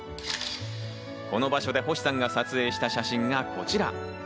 この場所で星さんが撮影した写真がこちら。